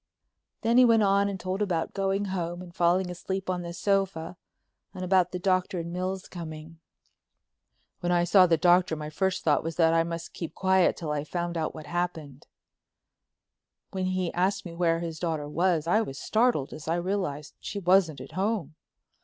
Then he went on and told about going home and falling asleep on the sofa, and about the doctor and Mills coming. "When I saw the Doctor my first thought was that I must keep quiet till I found out what had happened. When he asked me where his daughter was I was startled as I realized she wasn't at home.